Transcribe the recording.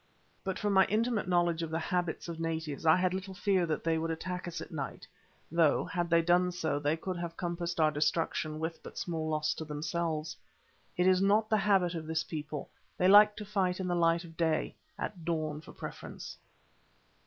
But from my intimate knowledge of the habits of natives I had little fear that they would attack us at night, though, had they done so, they could have compassed our destruction with but small loss to themselves. It is not the habit of this people, they like to fight in the light of day—at dawn for preference.